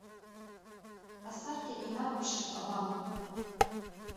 Асаркьа инаваԥшит, абан.